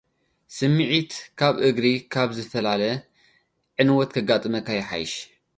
ስምዒት ካብ ግብሪ ካብ ዝፈላለ፡ ዕንወት ኸጋጥመካ ይሓይሽ።